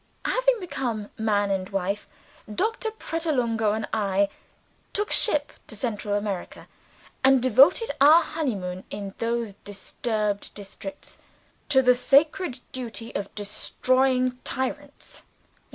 Having become man and wife, Doctor Pratolungo and I took ship to Central America and devoted our honey moon, in those disturbed districts, to the sacred duty of destroying tyrants.